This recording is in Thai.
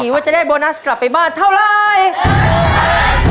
ว่าจะได้โบนัสกลับไปบ้านเท่าไร